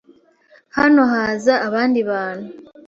Hano haza abandi bantu.